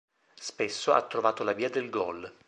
Spesso ha trovato la via del gol.